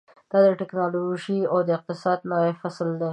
دا د ټیکنالوژۍ د اقتصاد نوی فصل دی.